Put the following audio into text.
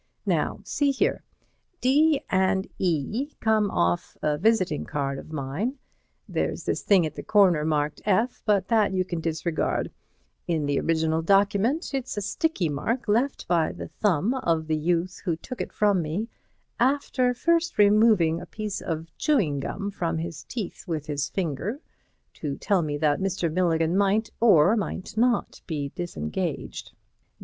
Now see here: "D and E come off a visiting card of mine. There's this thing at the corner, marked F, but that you can disregard; in the original document it's a sticky mark left by the thumb of the youth who took it from me, after first removing a piece of chewing gum from his teeth with his finger to tell me that Mr. Milligan might or might not be disengaged.